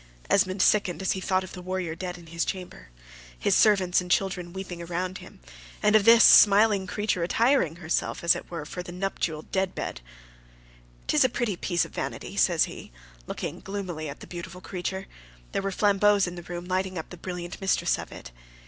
Esmond sickened as he thought of the warrior dead in his chamber, his servants and children weeping around him; and of this smiling creature attiring herself, as it were, for that nuptial death bed. "'Tis a pretty piece of vanity," says he, looking gloomily at the beautiful creature: there were flambeaux in the room lighting up the brilliant mistress of it.